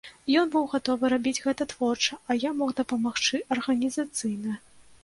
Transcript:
Ён быў гатовы рабіць гэта творча, а я мог дапамагчы арганізацыйна.